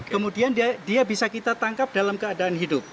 kemudian dia bisa kita tangkap dalam keadaan hidup